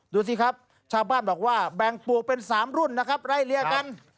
ดูสิครับชาวบ้านบอกว่าแบ่งปวกเป็น๓รุ่นนะครับไล่เลี่ยกัน